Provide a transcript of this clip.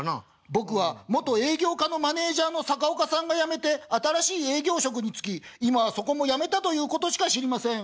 「僕は元営業課のマネージャーのサカオカさんが辞めて新しい営業職に就き今はそこも辞めたということしか知りません」。